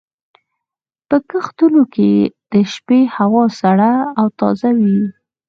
په کښتونو کې د شپې هوا سړه او تازه وي.